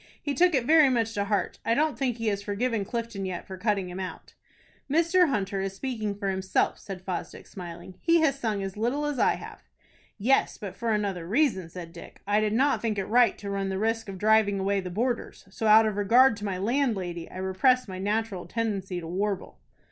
"He took it very much to heart. I don't think he has forgiven Clifton yet for cutting him out." "Mr. Hunter is speaking for himself," said Fosdick, smiling. "He has sung as little as I have." "Yes, but for another reason," said Dick. "I did not think it right to run the risk of driving away the boarders; so, out of regard to my landlady, I repressed my natural tendency to warble."